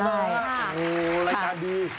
โอ้โหรายการดี